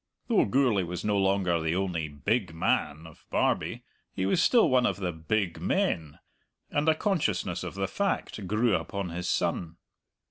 Though Gourlay was no longer the only "big man" of Barbie, he was still one of the "big men," and a consciousness of the fact grew upon his son.